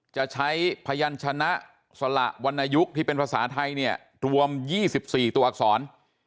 จะใช้พยันชนะสละวรรณยุคที่เป็นภาษาไทยเนี่ยรวม๒๔ตัวอักษร